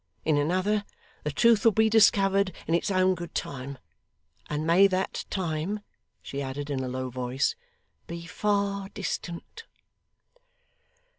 In another, the Truth will be discovered in its own good time. And may that time,' she added in a low voice, 'be far distant!